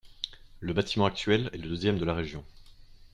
Le bâtiment actuel est la deuxième de la région.